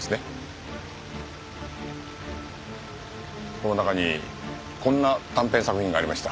この中にこんな短編作品がありました。